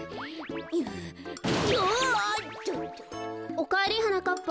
おかえりはなかっぱ。